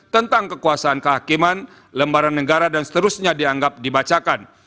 tentang kekuasaan kehakiman lembaran negara dan seterusnya dianggap dibacakan